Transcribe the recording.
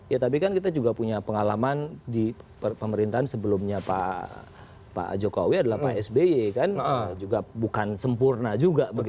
ya tapi kan kita juga punya pengalaman di pemerintahan sebelumnya pak jokowi adalah pak sby kan juga bukan sempurna juga